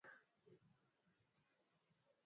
Vimelea vya ugonjwa wa mapele ya ngozi